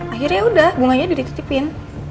akhirnya udah bunganya dititipin